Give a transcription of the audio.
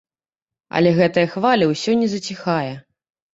Але гэтая хваля ўсё не заціхае.